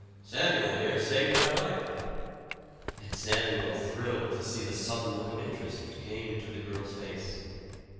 "Samuel, here, saved my life." And Samuel thrilled to see the sudden look of interest which came into the girl's face.